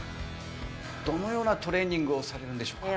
どのようなトレーニングをされるんでしょうか？